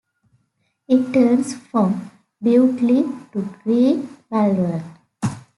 It runs from Bewdley to Great Malvern.